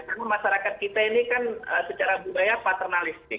karena masyarakat kita ini kan secara budaya paternalistik